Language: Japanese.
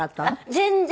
全然。